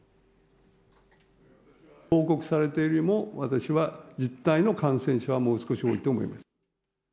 報告されているよりも、私は実態の感染者はもう少し多いと思います。